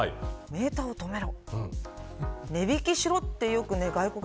メーターを止めろ。